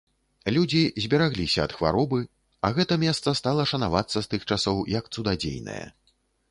Людзі зберагліся ад хваробы, а гэта месца стала шанавацца з тых часоў як цудадзейнае.